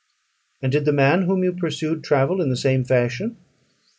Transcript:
"And did the man whom you pursued travel in the same fashion?"